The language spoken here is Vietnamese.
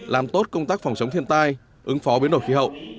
làm tốt công tác phòng chống thiên tai ứng phó biến đổi khí hậu